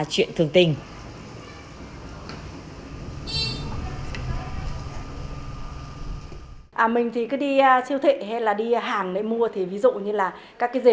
chuyện thường tình à à ừ mình thì cứ đi siêu thị hay là đi hàng để mua thì ví dụ như là các cái gì